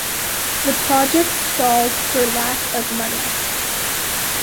The project stalled for lack of money.